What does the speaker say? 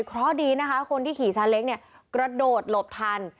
เพราะดีนะคะคนที่ขี่ซาเล้งเนี่ยกระโดดหลบทัน